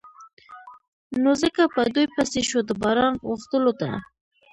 نو ځکه په دوی پسې شو د باران غوښتلو ته.